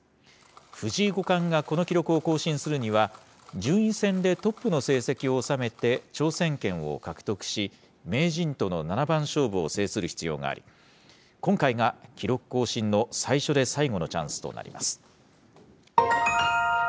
藤井五冠がこの記録を更新するには、順位戦でトップの成績を収めて挑戦権を獲得し、名人との七番勝負を制する必要があり、今回が記録更新の最初で最後のチャンスとなります。